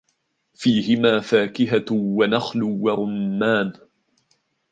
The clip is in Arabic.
فِيهِمَا فَاكِهَةٌ وَنَخْلٌ وَرُمَّانٌ